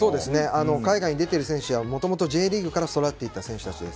海外に出ている選手はもともとＪリーグから育っていった選手です。